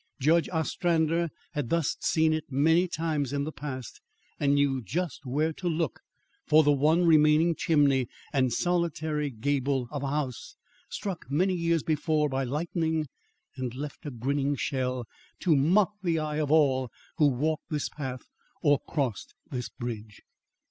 Judge Ostrander had thus seen it many times in the past, and knew just where to look for the one remaining chimney and solitary gable of a house struck many years before by lightning and left a grinning shell to mock the eye of all who walked this path or crossed this bridge.